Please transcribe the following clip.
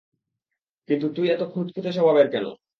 কিন্তু তুই এতো খুঁতখুতে স্বভাবের কেন?